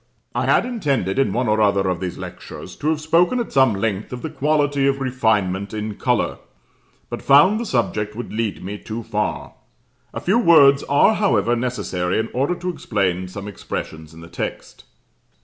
I had intended in one or other of these lectures to have spoken at some length of the quality of refinement in Colour, but found the subject would lead me too far. A few words are, however, necessary in order to explain some expressions in the text.